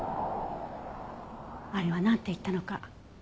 あれはなんて言ったのか。